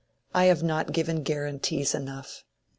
I have not given guarantees enough.